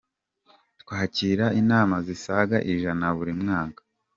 Twakira inama zisaga ijana buri mwaka.”